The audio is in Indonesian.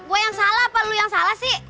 gue yang salah apa lu yang salah sih